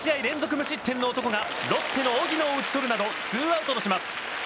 無失点の男がロッテの荻野を打ち取るなどツーアウトとします。